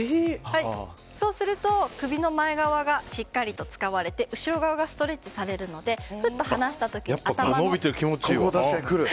そうすると首の前側がしっかりと使われて後ろ側がストレッチされるのでここ確かにくる。